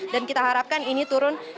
dan kita harapkan ini turun